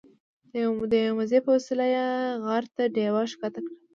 د یوه مزي په وسیله یې غار ته ډیوه ښکته کړه.